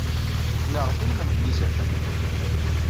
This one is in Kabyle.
Nnaɣet i lmend n yizerfan-nwen.